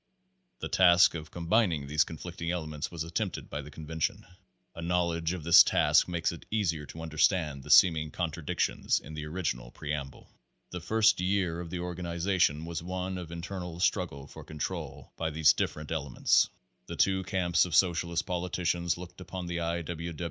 The task of combining these conflicting elements was attempted by the convention. A knowl edge of this task makes it easier to understand the seeming contradictions in the original Preamble. The first year of the organization was one of inter nal struggle for control by these different elements. The two camps of socialist politicians looked upon the I. W.